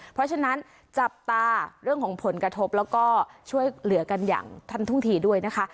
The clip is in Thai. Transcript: เพราะฉะนั้นจับตาเรื่องของผลกระทบแล้วก็ช่วยเหลือกันอย่างทันทุ่งทีด้วยนะคะ